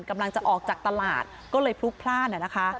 กำลังจะออกจากตลาดก็เลยพลุกพลาดนะคะ